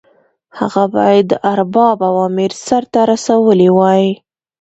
هغه باید د ارباب اوامر سرته رسولي وای.